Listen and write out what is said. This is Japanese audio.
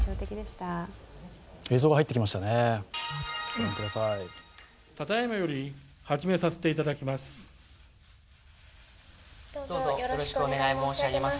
ただいまより始めさせていただきます。